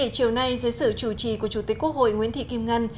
chiều nay dưới sự chủ trì của chủ tịch quốc hội nguyễn thị kim ngân